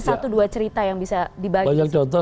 satu dua cerita yang bisa dibagi banyak contoh